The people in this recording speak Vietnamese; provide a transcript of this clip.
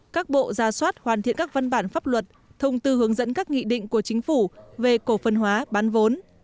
các bộ ra soát hoàn thiện các văn bản pháp luật thông tư hướng dẫn các nghị định của chính phủ về cổ phần hóa bán vốn